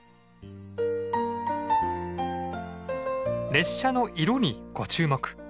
列車の色にご注目！